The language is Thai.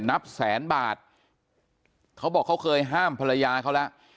นับแสนบาทเขาบอกเขาเคยห้ามภรรยาเขาแล้ว